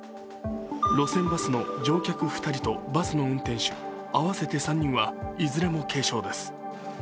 路線バスの乗客２人とバスの運転手合わせて３人はいずれも軽傷です。